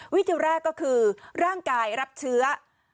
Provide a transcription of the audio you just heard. วิธีแรกก็คือร่างกายรับเชื้อ